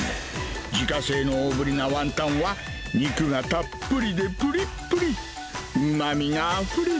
自家製の大ぶりなワンタンは、肉がたっぷりでぷりっぷり。